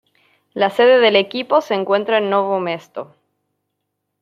La sede del equipo se encuentra en Novo Mesto.